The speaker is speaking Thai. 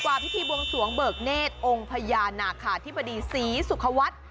ความพิธีบวงสวงเบิกเนศองค์พญานาคที่สีสุขวัฒน์